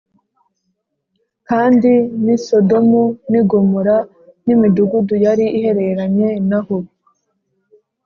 kandi n’i sodomu n’i gomora n’imidugudu yari ihereranye na ho